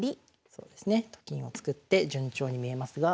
そうですね。と金を作って順調に見えますが。